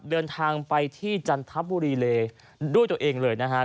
เดินทางไปที่จันทบุรีเลยด้วยตัวเองเลยนะฮะ